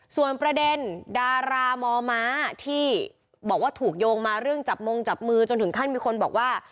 ส่วนประเด็นดารามอมม้าที่บอกว่าถูกโยงมาเรื่องจับมงจับมือจนถึงขั้นมีคนบอกว่า